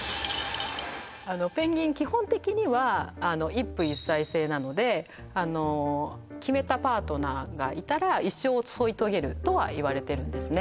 ペンギン基本的には一夫一妻制なので決めたパートナーがいたら一生添い遂げるとはいわれてるんですね